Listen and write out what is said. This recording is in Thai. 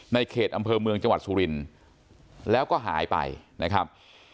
ในเขตอำเภอเมืองจังหวัดสุรินทร์แล้วก็หายไปนะครับ